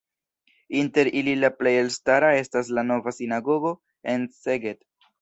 Inter ili la plej elstara estas la nova sinagogo en Szeged.